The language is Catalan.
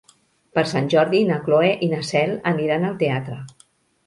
Per Sant Jordi na Cloè i na Cel aniran al teatre.